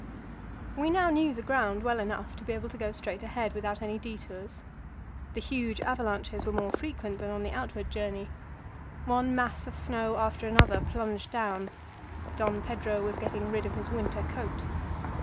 We now knew the ground well enough to be able to go straight ahead without any detours. The huge avalanches were more frequent than on the outward journey. One mass of snow after another plunged down; Don Pedro was getting rid of his winter coat.